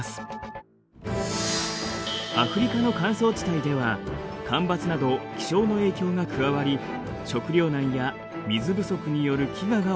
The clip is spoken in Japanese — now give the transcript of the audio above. アフリカの乾燥地帯では干ばつなど気象の影響が加わり食糧難や水不足による飢餓が起こっています。